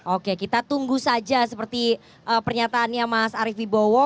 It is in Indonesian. oke kita tunggu saja seperti pernyataannya mas arief wibowo